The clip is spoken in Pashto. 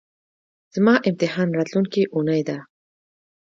زما امتحان راتلونکۍ اونۍ ده